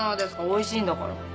おいしいんだから。